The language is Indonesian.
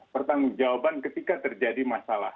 pertanggung jawaban ketika terjadi masalah